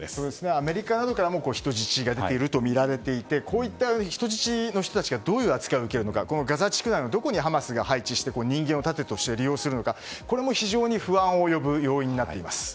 アメリカなどからも人質が出ているとみられていてこういった人質の人たちがどういう扱いを受けるのかこのガザ地区内のどこにハマスが配置して人間を盾として利用するのかこれも非常に不安を呼ぶ要因になっています。